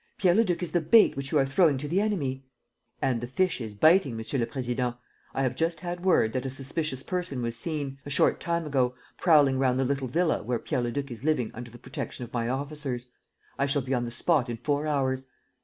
Pierre Leduc is the bait which you are throwing to the enemy." "And the fish is biting, Monsieur le Président. I have just had word that a suspicious person was seen, a short time ago, prowling round the little villa where Pierre Leduc is living under the protection of my officers. I shall be on the spot in four hours."